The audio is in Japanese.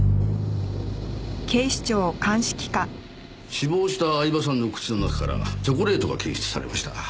死亡した饗庭さんの口の中からチョコレートが検出されました。